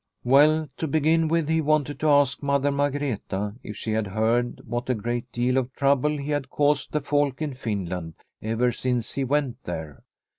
Well, to begin with, he wanted to ask Mother Margreta if she had heard what a great deal of trouble he had caused the folk in Finland ever since he went there.